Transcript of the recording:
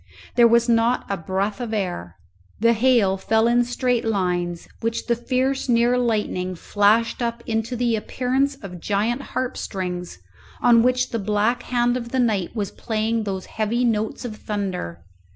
There was not a breath of air. The hail fell in straight lines, which the fierce near lightning flashed up into the appearance of giant harp strings, on which the black hand of the night was playing those heavy notes of thunder.